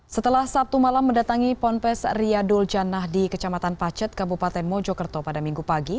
setelah sabtu malam mendatangi ponpes riyadul jannah di kecamatan pacet kabupaten mojokerto pada minggu pagi